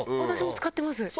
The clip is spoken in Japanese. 私も使ってます。